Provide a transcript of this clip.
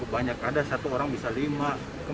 banyak ada satu orang bisa lima